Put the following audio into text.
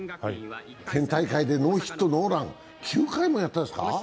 県大会でノーヒットノーラン、９回もやったんですか。